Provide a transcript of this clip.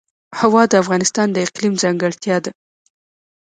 هوا د افغانستان د اقلیم ځانګړتیا ده.